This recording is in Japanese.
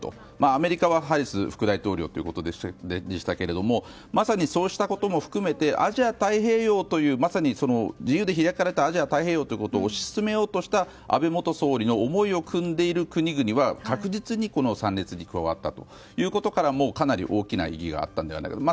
アメリカはハリス副大統領でまさにそうしたことも含めてアジア太平洋というまさに、自由で開かれたアジア太平洋を推し進めようとした安倍元総理の思いをくんでいる国々は確実に参列に加わったということからもかなり大きな意義があったのではないかと。